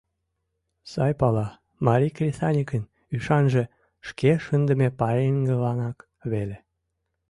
Сай пала: марий кресаньыкын ӱшанже — шке шындыме пареҥгыланак веле.